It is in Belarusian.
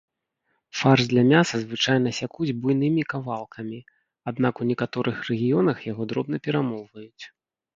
Фарш для мяса звычайна сякуць буйнымі кавалкамі, аднак у некаторых рэгіёнах яго дробна перамолваюць.